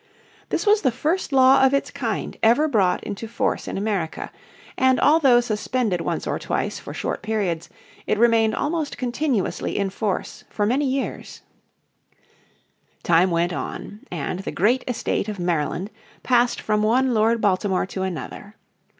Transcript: This was the first law of its kind ever brought into force in America, and although suspended once or twice for short periods it remained almost continuously in force for many years. Maryland becomes a royal province, 1691 Time went on and the great estate of Maryland passed from one Lord Baltimore to another.